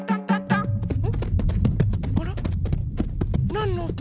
なんのおと？